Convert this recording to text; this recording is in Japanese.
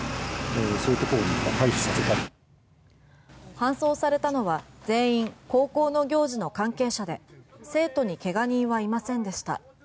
搬送されたのは全員、高校の行事の関係者で生徒に怪我人はいませんでした。